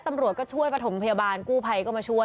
ตำรวจก็ช่วยประถมพยาบาลกู้ภัยก็มาช่วย